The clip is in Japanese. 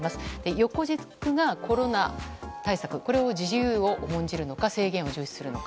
横軸がコロナ対策自由を重んじるのか制限を重視するのか。